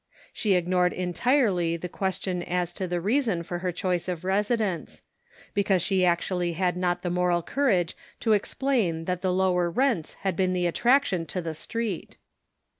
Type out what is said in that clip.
She ignored entirely the ques tion as to the reason for her choice of residence; because she actually had not the moral courage to explain that the lower rents had been the attraction to the street